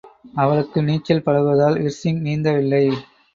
அவளுக்கு நீச்சல் பழக்குவதால் விர்சிங் நீந்தவில்லை.